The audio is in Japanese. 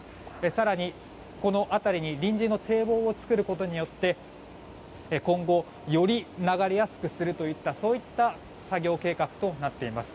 更に、この辺りに臨時の堤防を作ることによって今後より流れやすくするといった作業計画となっています。